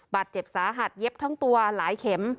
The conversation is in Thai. บาดเจ็บสาหัสเย็บทั้งตัวหลายเข็ม